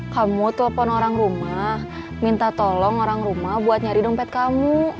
kamu telpon orang rumah minta tolong orang rumah buat nyari dompet kamu